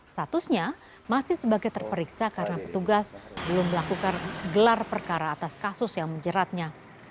statusnya masih sebagai terperiksa karena petugas belum melakukan gelar perkara atas kasus yang menjeratnya